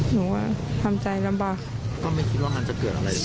หนูว่าทำใจลำบาก